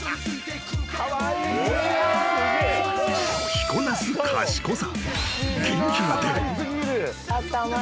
［着こなす賢さ］